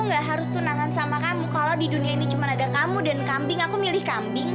enggak harus tunangan sama kamu kalau di dunia ini cuma ada kamu dan kambing aku milih kambing